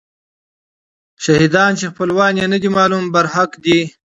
شهیدان چې خپلوان یې نه دي معلوم، برحق دي.